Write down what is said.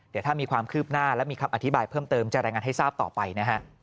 เดี๋ยวถ้ามีความคืบหน้าและมีคำอธิบายเพิ่มเติมจะรายงานให้ทราบต่อไปนะฮะ